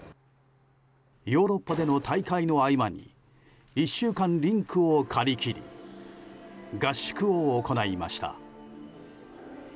ヨーロッパでの大会の合間に１週間、リンクを借り切り合宿を行いました。